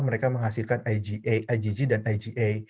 mereka menghasilkan igg dan iga